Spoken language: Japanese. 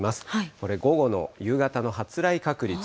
これ、午後の、夕方の発雷確率。